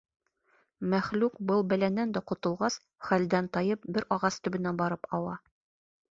Мәхлүк, был бәләнән дә ҡотолғас, хәлдән тайып, бер ағас төбөнә барып ауа.